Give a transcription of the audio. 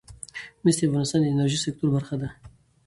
مس د افغانستان د انرژۍ سکتور برخه ده.